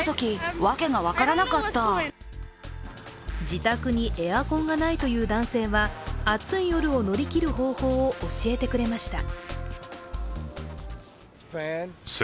自宅にエアコンがないという男性は暑い夜を乗り切る方法を教えてくれました。